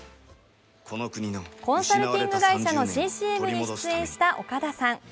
コンサルティング会社の新ＣＭに出演した岡田さん。